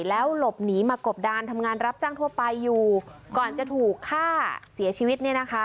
แล้วหลบหนีมากบดานทำงานรับจ้างทั่วไปอยู่ก่อนจะถูกฆ่าเสียชีวิตเนี่ยนะคะ